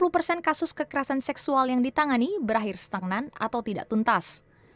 dua puluh persen kasus kekerasan seksual yang ditangani berakhir stagnan atau tidak tuntas